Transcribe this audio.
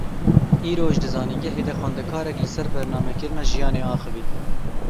Îroj di Zanîngehê de xwendekarek li ser bernamekirina jiyanê axivî.